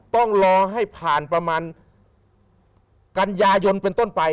ต้องรอให้ผ่านประมาณกันยายนเป็นต้นไป